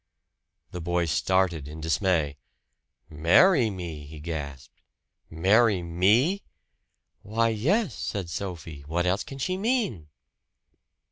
The boy started in dismay. "Marry me!" he gasped. "Marry me!" "Why, yes!" said Sophie. "What else can she mean?"